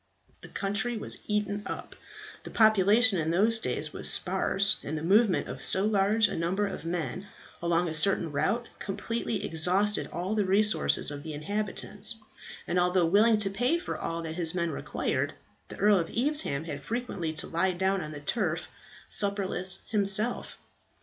The country was eaten up. The population in those days was sparse, and the movement of so large a number of men along a certain route completely exhausted all the resources of the inhabitants; and although willing to pay for all that his men required, the Earl of Evesham had frequently to lie down on the turf supperless himself.